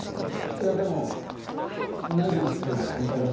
いやでも凪１人じゃ心配だし。